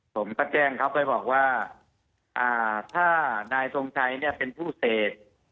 ผมก็แจ้งเขาไปบอกว่าถ้านายทรงชัยเนี่ยเป็นผู้เสพ